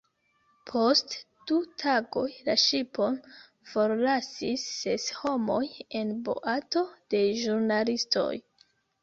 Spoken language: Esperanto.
Post du tagoj la ŝipon forlasis ses homoj en boato de ĵurnalistoj.